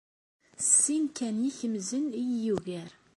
S sin kan n yikemzen ay iyi-yugar.